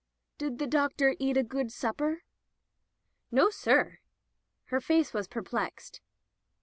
"Did the doctor eat a good supper?" "Nossir." Her face was perplexed.